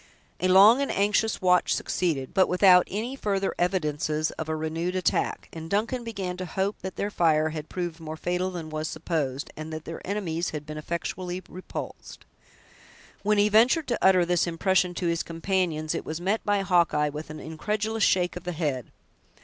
A long and anxious watch succeeded, but without any further evidences of a renewed attack; and Duncan began to hope that their fire had proved more fatal than was supposed, and that their enemies had been effectually repulsed. When he ventured to utter this impression to his companions, it was met by Hawkeye with an incredulous shake of the head.